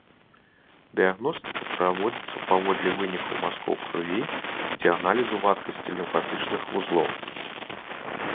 Дыягностыка праводзіцца паводле вынікаў мазкоў крыві ці аналізу вадкасці лімфатычных вузлоў.